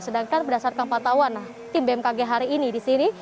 sedangkan berdasarkan patauan tim bmkg hari ini di sini